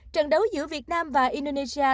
trận đấu giữa việt nam và indonesia